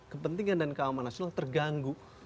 kepentingan dan keamanan nasional terganggu